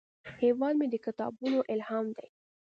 هیواد مې د کتابونو الهام دی